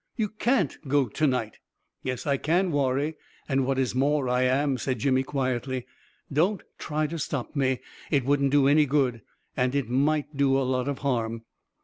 " You carit go to night." " Yes, I can, Warrie — and what is more, I am ! ,f said Jimmy quietly. u Don't try to stop me. It wouldn't do any good — and it might do a lot of harm."